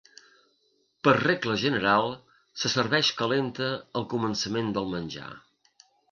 Per regla general se serveix calenta al començament del menjar.